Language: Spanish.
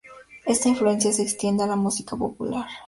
Esta influencia se extiende a la música popular.